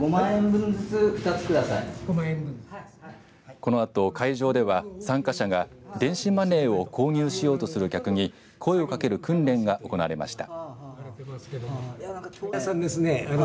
このあと会場では参加者が、電子マネーを購入しようとする客に声をかける訓練が行われました。